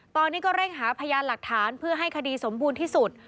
ตอนนี้ก็เร่งหาพยานหลักฐานเพื่อให้คดีสมบูรณ์ที่สุด